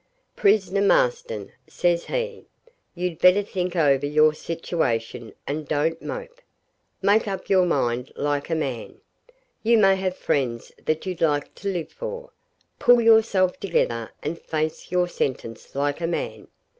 'Prisoner Marston,' says he, 'you'd better think over your situation and don't mope. Make up your mind like a man. You may have friends that you'd like to live for. Pull yourself together and face your sentence like a man.